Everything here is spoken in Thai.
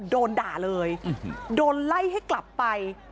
โดนด่าเลยโดนไล่ให้กลับไป